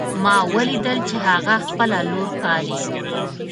ما ولیدل چې هغه خپله لور پالي